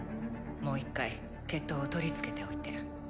もう一回決闘を取り付けておいて。